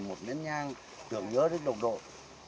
một nén nhang tưởng nhớ đến đồng đội